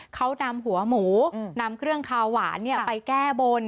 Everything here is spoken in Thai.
เขานำหัวหมูนำเครื่องคาวหวานไปแก้บน